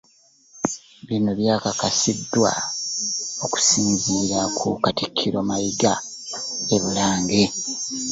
Bino byakakasiddwa okusinziira ku katikkiro Mayiga e Bulange.